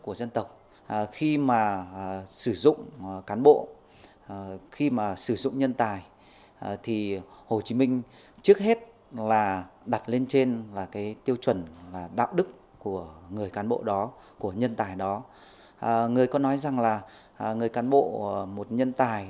của nhân tài đó người có nói rằng là người cán bộ một nhân tài